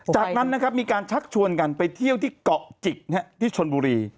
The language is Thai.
จากนั้นนะครับมีการชักชวนกันไปเที่ยวที่เกาะจิกที่ชนบุรี